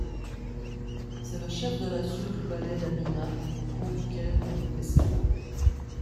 C'est le chef de l'assaut du palais d'Amina, au cours duquel il décéda.